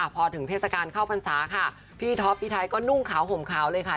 พอถึงเทศกาลเข้าพรรษาค่ะพี่ท็อปพี่ไทยก็นุ่งขาวห่มขาวเลยค่ะ